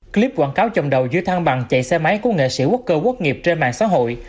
clip quảng cáo chồng đầu dưới thang bằng chạy xe máy của nghệ sĩ quốc cơ quốc nghiệp trên mạng xã hội